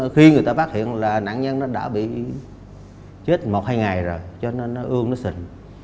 khi người ta phát hiện là nạn nhân nó đã bị chết một hai ngày rồi cho nên nó ươm nó xịt